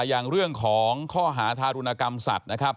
อย่างเรื่องของข้อหาธารุณกรรมสัตว์